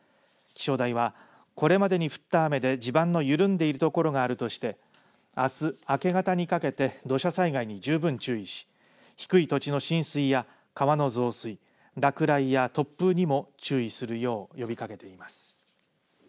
気象台は、これまでに降った雨で地盤の緩んでいる所があるとしてあす、明け方にかけて土砂災害に十分注意し低い土地の浸水や、川の増水落雷や突風にも注意するよう呼びかけています。